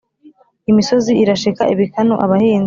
Imisozi irashika ibikanu.-Abahinzi.